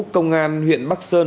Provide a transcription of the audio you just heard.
công an huyện bắc sơn